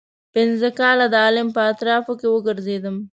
پنځه کاله د عالم په اطرافو کې وګرځېدم.